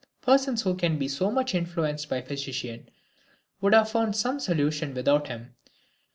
Persons who can be so much influenced by a physician would have found some solution without him.